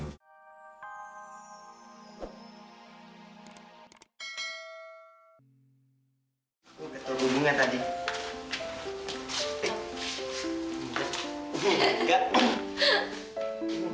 aku ketul bunga tadi